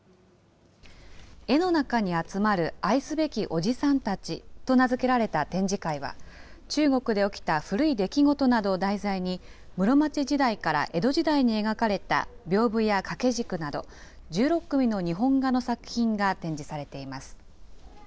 絵の中に集まる愛すべきおじさんたちと名付けられた展示会は、中国で起きた古い出来事などを題材に、室町時代から江戸時代に描かれたびょうぶや掛け軸など１６組の日本画の作品が展示されています。